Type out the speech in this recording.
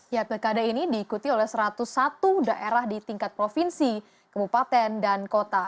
ya pilkada ini diikuti oleh satu ratus satu daerah di tingkat provinsi kebupaten dan kota